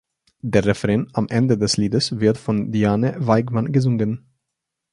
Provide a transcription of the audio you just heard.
Der Refrain am Ende des Liedes wird von Diane Weigmann gesungen.